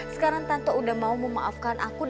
sekarang tanto udah mau memaafkan aku